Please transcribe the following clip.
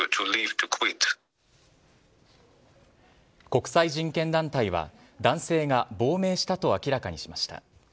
国際人権団体は、男性が亡命したと明らかにしました。